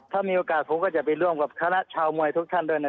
ถ้ามีโอกาสผมก็จะไปร่วมกับคณะชาวมวยทุกท่านด้วย